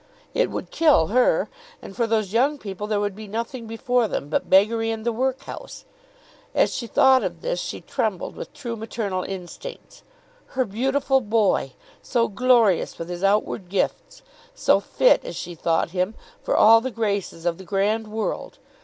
It would kill her. And for those young people there would be nothing before them, but beggary and the workhouse. As she thought of this she trembled with true maternal instincts. Her beautiful boy, so glorious with his outward gifts, so fit, as she thought him, for all the graces of the grand world!